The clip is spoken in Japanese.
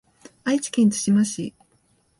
愛知県津島市